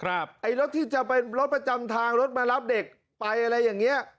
ไอ้รถที่จะเป็นรถประจำทางรถมารับเด็กไปอะไรอย่างเงี้ย